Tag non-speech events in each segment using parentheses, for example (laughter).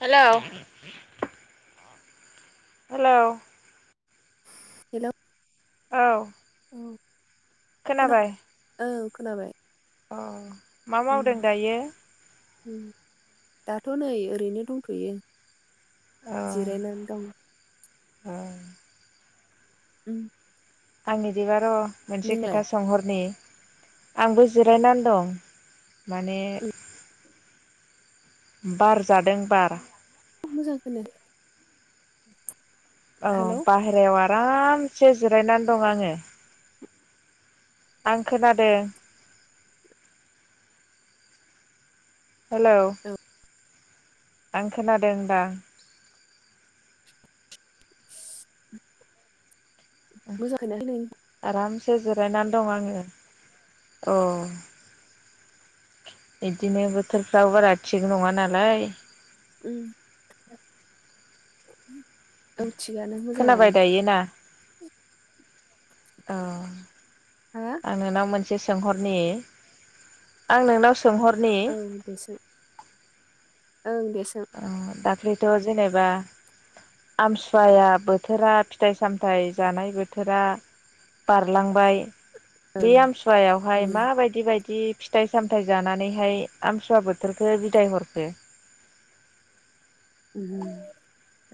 Hello. Hello. Hello. औ। औ खोनाबाय ओ खोनाबाय। अ मा उम मावदों दायो? दाथ' नै ओरैनो दंथ'यो। अ जिरायनानै दं। अ ओम। आं इदिबा र' मोनसे खोथा सोंहरनि। आंबो जिरायनानै दं माने बार जादों बार। मोजां खोनायाखै। औ बाहेरायाव आरामसे जिरायनानै दं आङो। आं खोनादों। हेलौ औ आं खोनदों दां। (inaudible) मोजां खोनायाखै नोंनिखो। सो जिरायनानै दं आङो अ। इदिनो बोथोरफ्राबो बारा थिग नङा नालाय। ओम। खोनाबाय दायोना? औ हा आं नोंनाव मोन से सोंहरनि आं नोंनाव सोंहरनि औ दे सों ओं दे सों। ख्लैथ' जेनेबा आमथिसुवाया बोथोरा फिथाइ सामथाइ जानाय बोथोरा बारलांबाय बे ओं आमथिसुवायावहाय ओं माबायदि बायद दि फिथाइ सामथाइ जानानैहाय आमसुवा बोथोरखो बिदाय हरखो?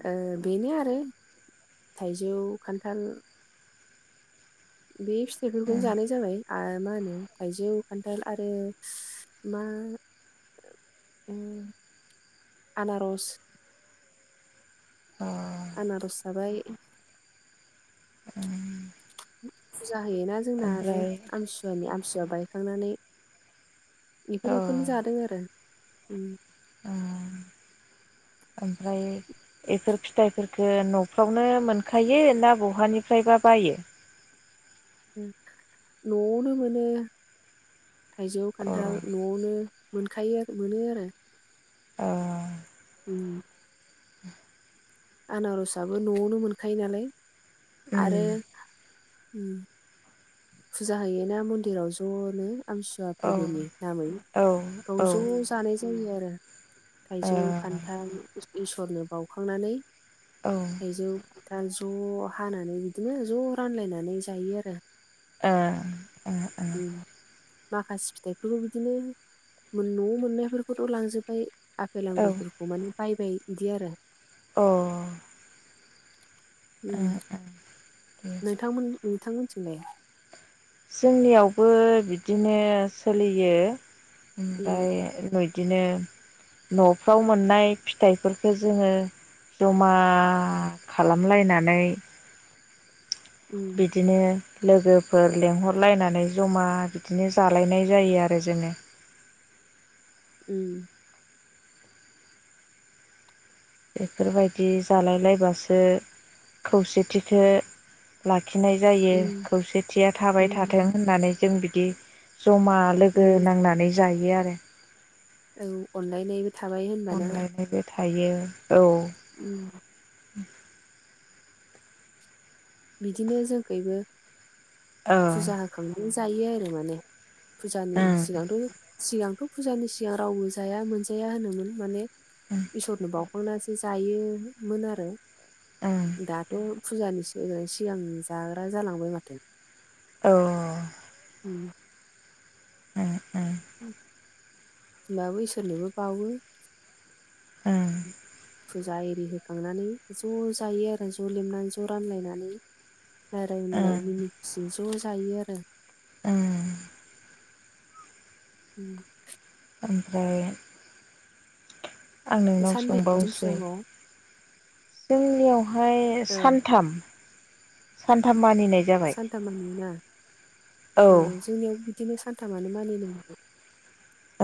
ओ बेनो आरो थाइजौ, खान्थाल बे फिथाइफोरखौनो जानाय जाबाय आ मा होनो थाइजौ खान्थाल आरो मा ओम आनारस। अ। आनारस जाबाय। आ। फुजा होयोना जोंना आरो आमथिसुवानि आमथिसुवा बायखांनानै औ बेफोरखौनो जादों आरो। ओम। ओ ओमफ्राय एफोर फिथाइफोरखो न'फ्रावनो मोनखायो ना बहानिफ्रायबा बायो? (inaudible) न'आवनो मोनो थाइजौ खान्थाल अ न'आवनो मोनखायो मोनो आरो। अ। उम। (inaudible) आनारसाबो न'आवनो मोनखायो नालाय आरो उम ओम फुजा होयोना मन्दिराव ज'नो। आमथिसुवा औ फोरबोनि नामै औ बाव औ ओ ज' जानाय जायो आरो। थाइजौ, खान्थाल इसरनो बावखांनानै औ थाइजौ दा ज' हानानै बिदिनो ज' रानलायनानै जायो आरो। ए ए ए। उम माखासे फिथाइफोरखौ बिदिनो न'आव मोननायफोरखौथ' लांजोब्बाय आफेल ओ आगुरफोरखौ माने बायबाय इदि आरो। अ। ए उम ए। नोंथांमोन नोंथांमोनथिंलाय? जोंनियावबो बिदिनो सोलियो ओमफ्राय उम बिदिनो न'फ्राव मोननाय फिथाइफोरखो जोङो जमा खालामलायनानै उम बिदिनो लोगोफोर लेंहरलायनानै जमा बिदिनो जालायनाय जायो आरो जोङो। (inaudible) उम। बेफोरबायदि जालाय लायबासो खौसेथिखो लाख खिनाय जायो उम खौसेथिया थाबाय थाथों उम होननानै जों बिदि जमा लोगो उम नांनानै जायो आरो। औ अनलायनायबो थाबाय होनबा ना। अनलायनायबो थायो औ। बिदिनो जोंखैबो औ फुजा ओं होखांदों जायो आरो माने। फुजानि ओं सिगांथ' सिगांथ' फुजानि सिगां रावबो जाया मोनजाया होनोमोन माने इसोरनो बावखांनासो जायोमोन आरो औ ओं दाथ' फुजानि सिगां सिगां जाग्रा जालांबाय माथो। औ। उम। ए ए। होनबाबो इसोरनोबो बावो। ओं फुजा एरि होखांनानै ज' जायो आरो ज' लेमनानै ज' रानलायनानै। रायलाय ओं होनलाय मिनि खुसि ज' जायो आरो। ओं उम ओमफ्राय (inaudible) आं नोंनाव सानबै सोंबावसै फुजाखौ (inaudible) जोंनियावहाय औ सानथाम सानथाम मानिनाय जाबाय सानथाम मानियोना औ जोंनियाव बिदिनो सान थामानो मानि (unintelligible)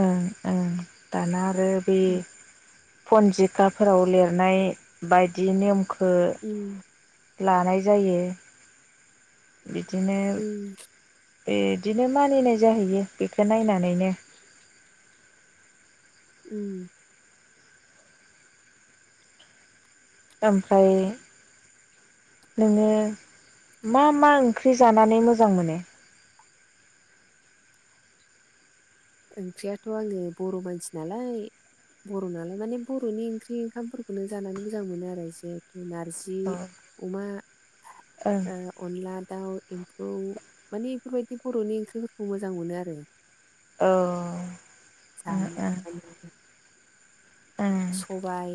ओं ओं दाना आरो बे पन्जिकाफोराव लेरनाय बायदि नेमखो लानाय जायो। बिदिनो बेदिनो मानिनाय जाहैयो बेखो नायनानैनो। उम ओमफ्राय नोङो मा मा ओंख्रि जानानै मोजां मोनो? ओंख्रियाथ' आङो बर' मानसि नालाय बर' नालाय माने बर'नि ओंख्रि ओंखामफोरखौनो जानानै मोजां मोनो आरो जिहेथु नारजि ओं अमा औ (inaudible) ओ अनला दाउ एम्फौ माने एफोरबायदि बर'नि ओंख्रिफोरखौ मोजां मोनो आरो। ओं (inaudible) ओं ओं (unintelligible) औ सबाय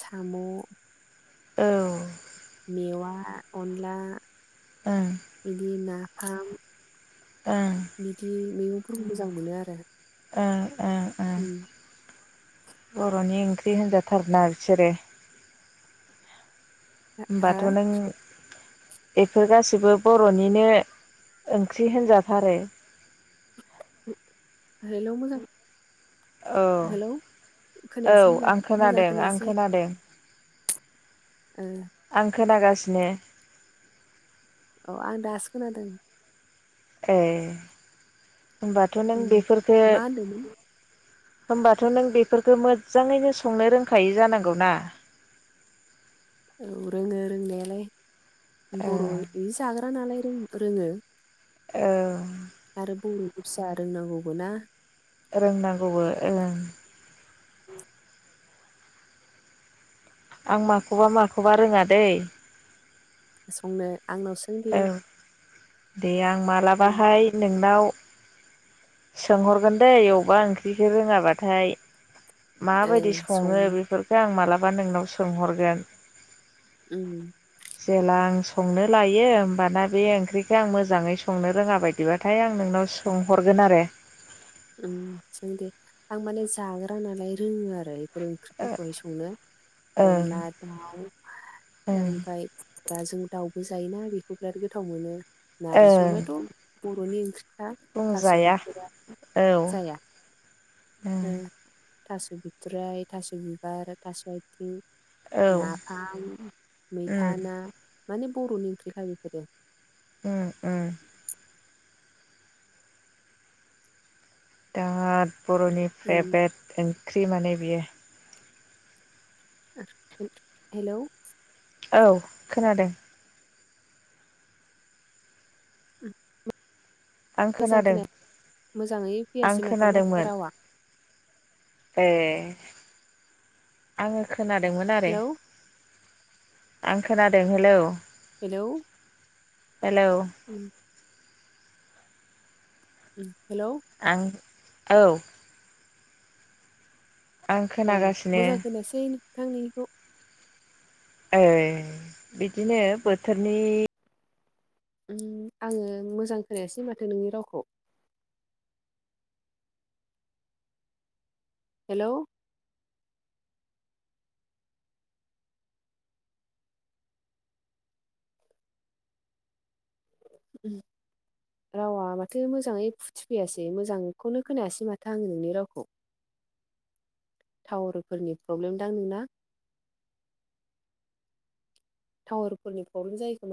साम' ओं मेवा अनला उम बिदि नाफाम ओं बिदि मैगंफोरखौ मोजां मोनो आरो ओ ओ उम बर'नि ओंख्रि होनजा थारोना बिसोरो। हा होमबाथ' नों एफोर गासैबो बर'निनो ओंख्रि होनजाथारो। (inaudible) हेलौ मोजां औ हेलौ औ खोनायासै मोजां आं मोजां खोनादों आं खोनायासै खोनादों। ओ आं खोनागासिनो। औ आं दासो खोनादों। ए होमबाथ' नों उम बेफोरफोरखो मा होनदोंमोन होमबाथ' नों बेफोरखो मोज्जाङैनो संनो रोंखायो जानांगौ ना? औ रोङो रोंनायालाय ओ बर' (unintelligible) जागोन (unintelligible) रोङो ओ आरो बर'नि फिसा रोंनांगौबो ना रोंनांगौबो ओं (inaudible) आं माखौबा माखौबा रोङा दै। संनो आंनाव सों औ (unintelligible) दे आं मालाबाहाय नोंनाव सोंहरगोन दैे अबा ओंख्रिखो रोङाबाथाय। ओं माबायदि सङो सं बेफोरफोरखौ आं मालाबा नोंनाव सोंहरगोन। उम जेला आं संनो लायो दयो होमबाना बे ओंख्रिखौ आं मोजाङै संनो रोङा बायदिबाथाय आं नोंनाव सोंहरगोन आरो उ जों बेफोर ओंख्रिफोरखौहाय संनो ओं अनला दाउ ओं ओमफफ्राय दा जों दाउबो जायोना बेखौ बिराद गोथाव मोनो नारजि ओं अमायाथ' बर'नि ओंख्रि हा थास' बुंजाया बिथराय औ उम थास' बिथराय थास' बिबार थास' आथिं उम नाफाम मैथा ना माने बर'नि ओंख्रिखा बेफोरो उम उम दाद बर'नि उम फेभ्रेट ओंख्रि माने बियो हेल' औ खोनादों उम उम आं खोनादों मोजाङै आं फैयासै माथो माथो खोनादोंमोन रावा ए आङो खोनादोंमोन आरो हेलौ आं खोनादों हेलौ हेलौ हेलौ उम हेल' आं औ आं खोनागासिनो आंनोंनिखौ ए बिदिनो बोथोरनि उम आङो मोजां खोनायासै माथो नोंनि रावखौ हेल' उम रावा माथो मोजाङै फुथिफैयाासै मोजांखौनो खोनायासै माथो आं नोंनि रावखौ टावारफोरनि प्रब्लेम दां नोंना टावारफोरनि प्रब्लेम जायोखोमा